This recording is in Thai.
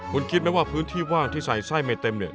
คุณคิดไหมว่าพื้นที่ว่างที่ใส่ไส้ไม่เต็มเนี่ย